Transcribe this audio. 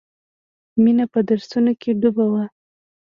مینه په درسونو کې ډوبه وه